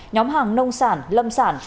nhóm hàng nông sản lâm sản